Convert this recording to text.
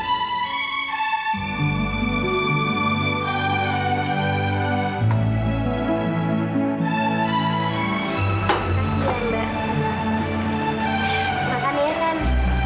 makan ya sen